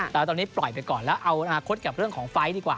แต่ว่าตอนนี้ปล่อยไปก่อนแล้วเอาอนาคตกับเรื่องของไฟล์ดีกว่า